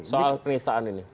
soal penistaan ini